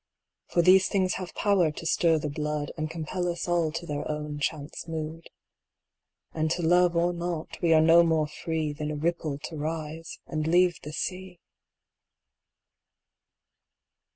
For these things have power to stir the blood And compel us all to their own chance mood. And to love or not we are no more free Than a ripple to rise and leave the sea.